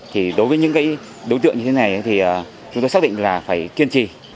thì đối với những cái đối tượng như thế này thì chúng tôi xác định là phải kiên trì